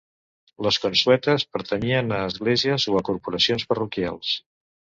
Les consuetes pertanyien a esglésies o a corporacions parroquials.